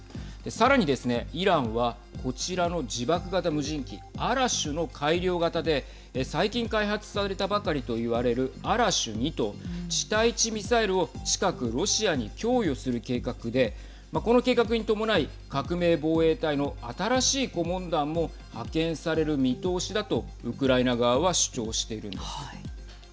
さらにですね、イランはこちらの自爆型無人機アラシュの改良型で最近開発されたばかりといわれるアラシュ２と地対地ミサイルを近くロシアに供与する計画でこの計画に伴い革命防衛隊の新しい顧問団も派遣される見通しだとウクライナ側は主張しているんです。